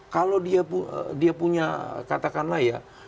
kalau dia punya katakanlah ya